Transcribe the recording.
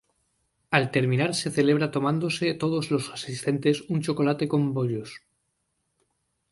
Al terminar se celebra tomándose todos los asistentes un chocolate con bollos.